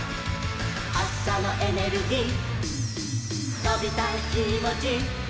「はっしゃのエネルギー」「とびたいきもち」